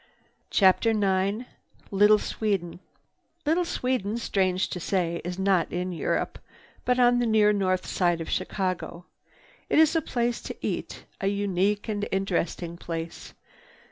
CHAPTER IX LITTLE SWEDEN Little Sweden, strange to say, is not in Europe, but on the near north side in Chicago. It is a place to eat, a unique and interesting place.